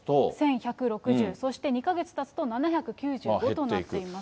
１１６０、そして２か月たつと７９５となってます。